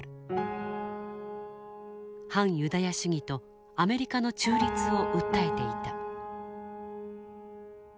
反ユダヤ主義とアメリカの中立を訴えていた。